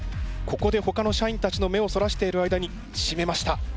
ここでほかの社員たちの目をそらしている間にしめました。